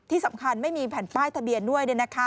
ที่สำคัญไม่มีแผ่นป้ายทะเบียนด้วย